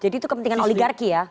itu kepentingan oligarki ya